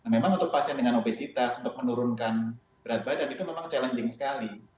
memang untuk pasien dengan obesitas untuk menurunkan berat badan itu memang challenging sekali